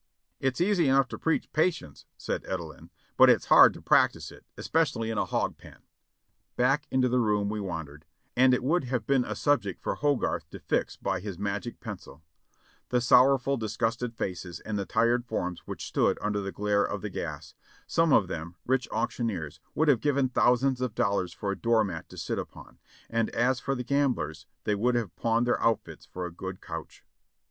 "It's easy enough to preach patience." said Edelin, "but it's hard to practice it, especially in a hog pen." Back into the room we wandered, and it would have been a subject for Hogarth to fix by his magic pencil ; the sor rowful, disgusted faces and the tired forms which stood under the glare of the gas ; some of them, rich auctioneers, would have given thousands of dollars for a door mat to sit upon, and as for the gamblers, they would have pawned their outfits for a good couch.